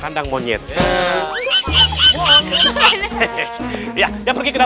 marin mlm yang collineitto yang menyusul south korea